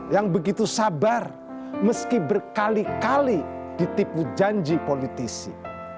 yang begitu sabar meski berkali kali ditipu janji politisi